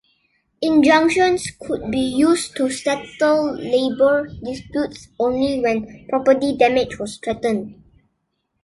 Injunctions could be used to settle labor disputes only when property damage was threatened.